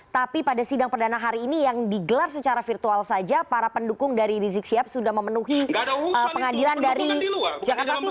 tapi pada sidang perdana hari ini yang digelar secara virtual saja para pendukung dari rizik sihab sudah memenuhi pengadilan dari jakarta timur